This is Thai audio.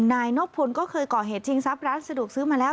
นายนบพลก็เคยก่อเหตุชิงทรัพย์ร้านสะดวกซื้อมาแล้ว